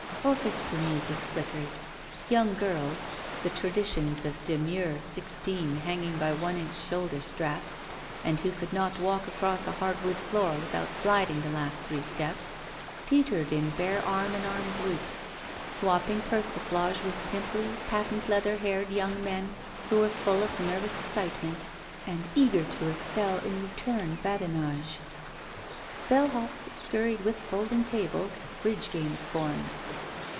Orches tra mtisic flickered. Young girls, the traditions of demure sixteen hanging by one inch shoulder straps, and who could not walk across a hardwood floor without sliding the last three steps, teetered in bare arm in arm groups, swapping persiflage with pimply, patent leather haired young men who were full of nervous excitement and eager to excel in return badinage. BeU hops scurried with folding tables. Bridge games formed.